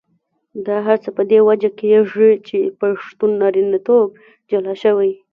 دا هر څه په دې وجه کېږي چې پښتون نارینتوب جلا شوی.